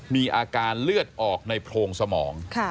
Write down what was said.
มีอาการเลือดออกในโพรงสมอง